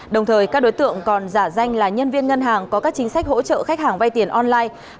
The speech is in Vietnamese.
đồng thời các đối tượng còn giả danh là nhân viên ngân hàng có các chính sách hỗ trợ khách hàng vay tiền online